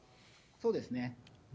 そうですね。